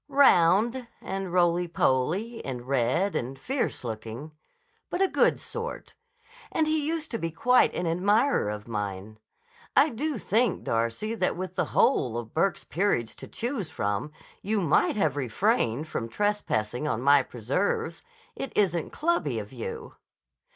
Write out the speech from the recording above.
"Round and roly poly and red and fiercelooking; but a good sort. And he used to be quite an admirer of mine. I do think, Darcy, that with the whole of Burke's Peerage to choose from you might have refrained from trespassing on my preserves. It isn't clubby of you!"